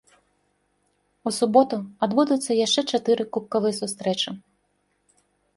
У суботу адбудуцца яшчэ чатыры кубкавыя сустрэчы.